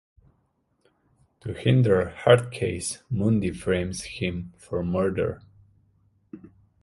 To hinder Hardcase, Mundi frames him for murder.